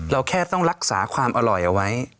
เราแค่ต้องรักษาความอร่อยเอาไว้